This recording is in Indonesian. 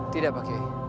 tidak pak kek